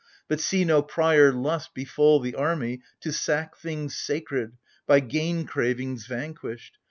But see no prior lust befall the army To sack things sacred — by gain cravings vanquished